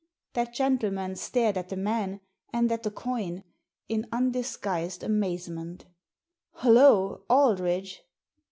That gentleman stared at the man, and at the coin, in undisguised amazement *' Hollo, Aldridge!"